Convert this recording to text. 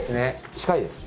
近いです。